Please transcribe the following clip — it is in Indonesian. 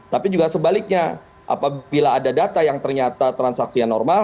tapi juga sebaliknya apabila ada data yang ternyata transaksi yang normal